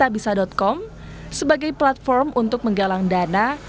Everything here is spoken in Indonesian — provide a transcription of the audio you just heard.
com sebagai platform untuk menggalang dana